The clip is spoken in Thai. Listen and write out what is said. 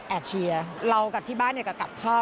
แอบเชียร์เรากับที่บ้านก็กลับชอบ